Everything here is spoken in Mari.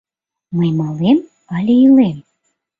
Мый малем але илем?